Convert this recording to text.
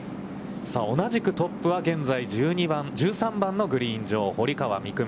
同じくトップは現在、１３番のグリーン上、堀川未来